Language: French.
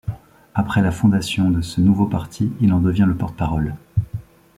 Après la fondation de ce nouveau parti, il en devient le porte-parole.